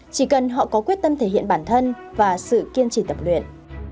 chỉ cần họ có quyết tâm thể hiện bản thân và sự kiên trì tập luyện